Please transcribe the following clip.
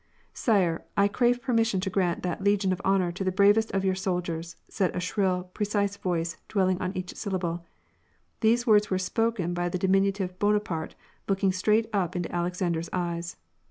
" Sire, I crave permission to grant the Legion of Honor to the bravest of your soldiers," said a shrill, precise voice, dwelling on every syllable. These words were spoken by the diminutive Bonaparte, looking straight up into Alexander's eyes.